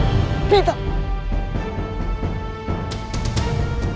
maaf dek gak ada uang kecil